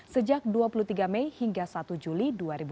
sejak dua puluh tiga mei hingga satu juli dua ribu dua puluh